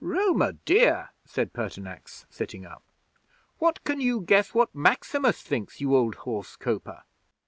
'"Roma Dea!" said Pertinax, sitting up. "What can you guess what Maximus thinks, you old horse coper?"